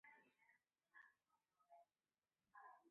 发现真相的诗音决定除去铁平但被圭一制止了。